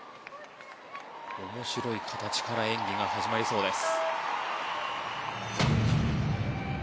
面白い形から演技が始まりそうです。